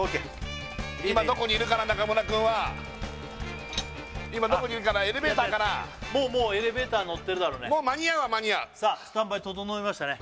今どこにいるかな中村君は今どこにいるかなエレベーターかなもうエレベーター乗ってるだろうねもう間に合うは間に合うさあスタンバイ整いましたね